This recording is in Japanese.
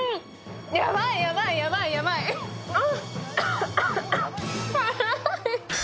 ヤバい、ヤバい、ヤバいあっ、辛い！